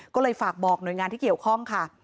ก็เลยฝากบอกหน่วยงานที่เกี่ยวข้องค่ะ